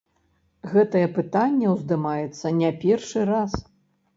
Гэтае пытанне ўздымаецца не першы раз.